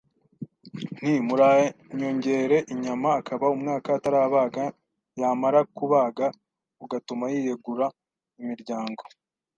Nti: “Muranyongere inyama Akaba umwaka atarabaga Yamara kubaga ugatuma yiyegura imiryango